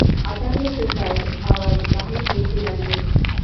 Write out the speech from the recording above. আটান্ন প্রকার আওয়াজ বাহির হইতে লাগিল।